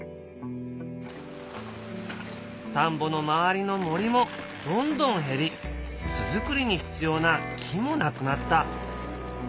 田んぼの周りの森もどんどん減り巣作りに必要な木もなくなった。